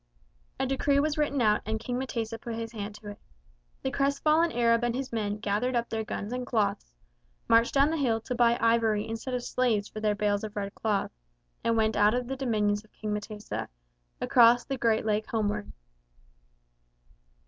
A decree was written out and King M'tesa put his hand to it. The crestfallen Arab and his men gathered up their guns and cloths, marched down the hill to buy ivory instead of slaves for their bales of red cloth, and went out of the dominions of King M'tesa, across the Great Lake homeward.